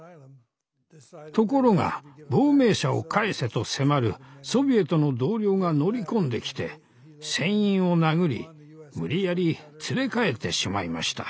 ところが亡命者を返せと迫るソビエトの同僚が乗り込んできて船員を殴り無理やり連れ帰ってしまいました。